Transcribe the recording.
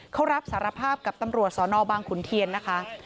เขารับสารภาพกับตำรวจสนบางขุนเทียนนะคะ